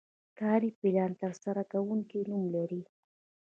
کاري پلان د ترسره کوونکي نوم لري.